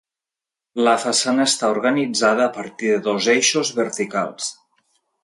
La façana està organitzada a partir de dos eixos verticals.